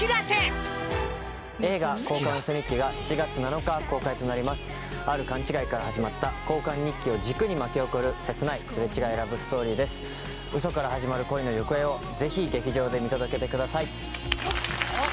映画「交換ウソ日記」が７月７日公開となりますある勘違いから始まった交換日記を軸に巻き起こる切ないすれ違いラブストーリーですウソから始まる恋の行方をぜひ劇場で見届けてください